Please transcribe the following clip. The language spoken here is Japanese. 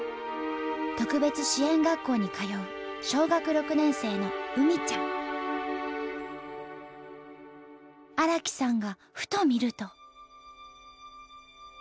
特別支援学校に通う小学６年生の荒木さんがふと見ると。